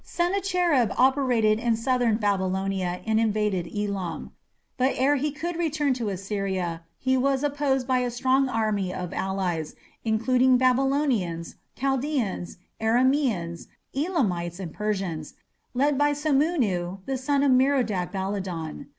Sennacherib operated in southern Babylonia and invaded Elam. But ere he could return to Assyria he was opposed by a strong army of allies, including Babylonians, Chaldaeans, Aramaeans, Elamites, and Persians, led by Samunu, son of Merodach Baladan.